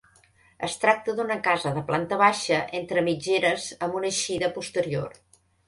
Es tracta d'una casa de planta baixa entre mitgeres amb una eixida posterior.